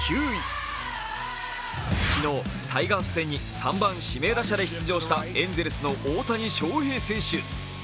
昨日、タイガース戦に３番・指名打者で出場したエンゼルスの大谷翔平選手。